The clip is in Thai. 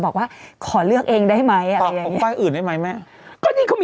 ไข่อื่นได้ไหม